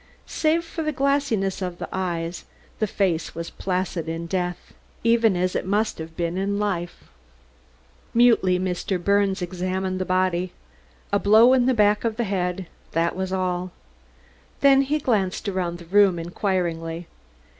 Save for the glassiness of the eyes the face was placid in death, even as it must have been in life. Mutely Mr. Birnes examined the body. A blow in the back of the head that was all. Then he glanced around the room inquiringly.